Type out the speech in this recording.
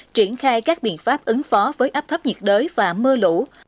triển khai các biện pháp ứng phó với áp thấp nhiệt đới và mưa lũ